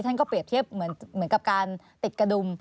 ท่านก็เปรียบเทียบเหมือนกับการติดกระดุม